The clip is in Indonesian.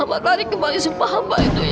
saya tarik kembali sembahanku ya allah